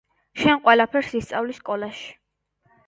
შენ ყველაფერს ისწავლი სკოლაში